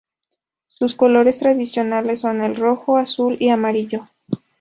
Sus colores tradicionales son el rojo, azul y amarillo.